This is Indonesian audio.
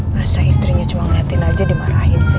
masa istrinya cuma ngeliatin aja dimarahin sih